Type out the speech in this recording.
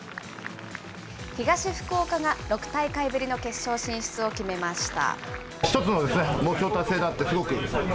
東福岡が６大会ぶりの決勝進出を決めました。